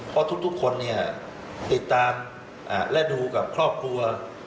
เพราะทุกคนเนี่ยติดตามและดูกับครอบครัว